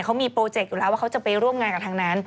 เขามีโปรเจกต์อยู่แล้วว่าเขาจะไปร่วมงานกับทางนั้น